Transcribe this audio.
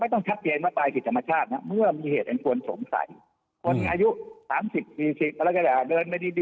ธรรมชาติเมื่อมีเหตุเป็นคนสงสัยคนอายุ๓๐๔๐แล้วก็เดินไม่ดี